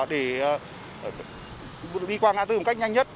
để đi qua ngã tư một cách nhanh nhất